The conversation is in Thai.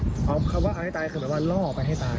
เอาคำว่าเขาไปให้ตายคือหนังว่าล่อไปให้ตาย